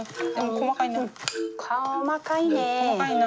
細かいな。